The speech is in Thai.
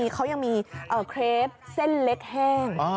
เขายังมีเครปเส้นเล็กแห้ง